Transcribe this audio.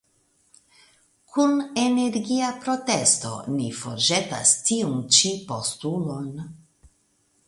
Kun energia protesto ni forĵetas tiun ĉi postulon.